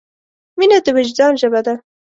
مینه د وجدان ژبه ده.